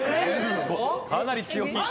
かなり強気。